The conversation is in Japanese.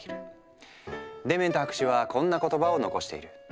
デメント博士はこんな言葉を残している。